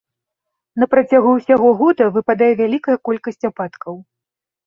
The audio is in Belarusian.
На працягу ўсяго года выпадае вялікая колькасць ападкаў.